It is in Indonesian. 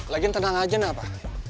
lagian tenang aja napa